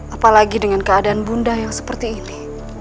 apalagi dengan keadaan bunda yang seperti ini